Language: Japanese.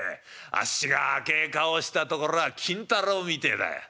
あっしが赤え顔したところは金太郎みてえだよ。